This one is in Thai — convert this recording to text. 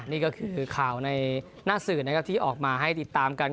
นี่ก็คือข่าวในหน้าสื่อนะครับที่ออกมาให้ติดตามกัน